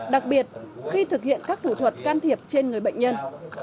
đặc biệt khi thực hiện các thủ thuật can thiệp trên người bệnh nhân